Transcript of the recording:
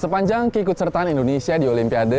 sepanjang keikutsertaan indonesia di olimpiade